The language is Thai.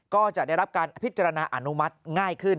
ก็จะได้รับการพิจารณาอนุมัติง่ายขึ้น